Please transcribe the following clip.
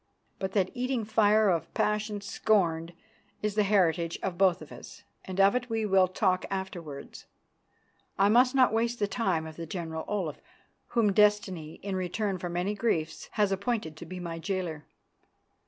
But that eating fire of passion scorned is the heritage of both of us, and of it we will talk afterwards. I must not waste the time of the General Olaf, whom destiny, in return for many griefs, has appointed to be my jailer.